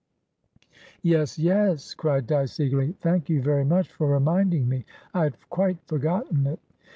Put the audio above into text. '" "Yes, yes!" cried Dyce, eagerly. "Thank you very much for reminding me; I had quite forgotten it."